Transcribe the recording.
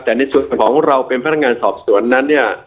แต่ในส่วนของเราเป็นพนักงานสอบสวนนั้นเนี่ย